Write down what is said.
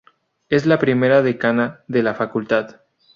Es la primera decana de la Facultad.